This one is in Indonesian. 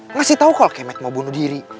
ngasih tau kalau kemet mau bunuh diri